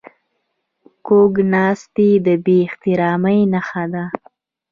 کوږ ناستی د بې احترامي نښه ده